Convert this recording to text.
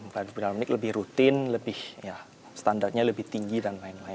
produk unik lebih rutin lebih ya standarnya lebih tinggi dan lain lain